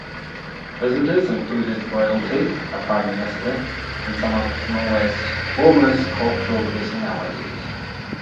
Visitors included royalty, a prime minister, and some of Norway's foremost cultural personalities.